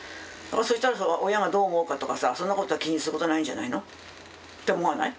そしたら親がどう思うかとかさそんなことを気にすることはないんじゃないの？って思わない？